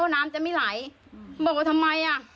น้ำจะไม่ไหลบอกว่าทำไมอ่ะ